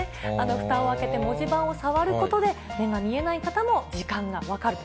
ふたを開けて文字盤を触ることで、目が見えない方も時間が分かると。